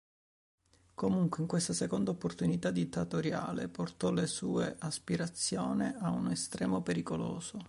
Comunque in questa seconda opportunità dittatoriale portò le sue aspirazione a un estremo pericoloso.